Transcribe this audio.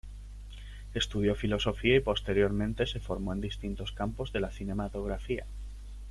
Estudió Filosofía y posteriormente se formó en distintos campos de la cinematografía.